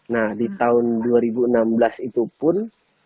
nah di tahun dua ribu enam belas itu pun